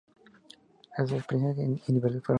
Las experiencias individuales fueron reunidas.